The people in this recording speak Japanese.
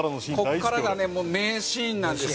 ここからがねもう名シーンなんですよ。